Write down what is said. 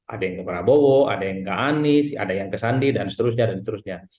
ada yang ke prabowo ada yang ke anies ada yang ke sandi dan seterusnya dan seterusnya